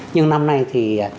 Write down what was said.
nhưng năm nay thì